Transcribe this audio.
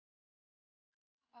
mas aku mau ke kamar